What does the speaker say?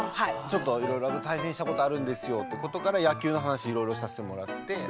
ちょっといろいろ対戦したことあるんですよってことから野球の話いろいろさせてもらって。